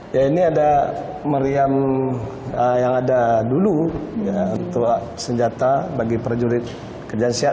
ya ini ada meriam yang ada dulu ya untuk senjata bagi para jurid kerjaan sihat